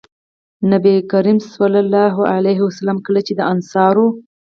نبي کريم صلی الله عليه وسلم چې کله د انصارو